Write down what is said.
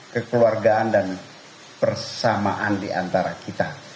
kekeluargaan dan persamaan diantara kita